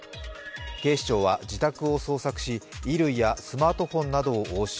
警視庁は自宅を捜索し衣類やスマートフォンなどを押収。